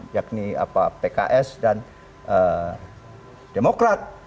yakni pks dan demokrat